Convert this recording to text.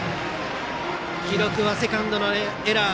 記録はセカンドのエラー。